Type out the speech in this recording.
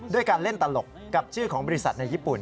การเล่นตลกกับชื่อของบริษัทในญี่ปุ่น